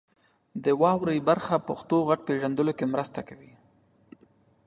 د واورئ برخه پښتو غږ پیژندلو کې مرسته کوي.